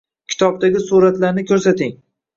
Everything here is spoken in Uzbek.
kitobdagi suratlarni ko‘rsating.